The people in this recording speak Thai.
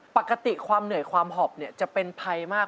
ปกติความเหนื่อยความหอบจะเป็นภัยมาก